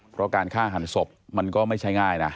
เพราะการฆ่าหันศพมันก็ไม่ใช่ง่ายนะ